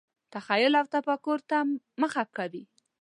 تخیل او تفکر ته مخه کوي.